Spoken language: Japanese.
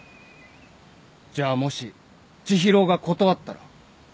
じゃあもし知博が断ったら？